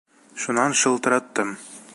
Шунан шылтыраттым.